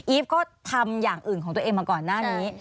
ฟก็ทำอย่างอื่นของตัวเองมาก่อนหน้านี้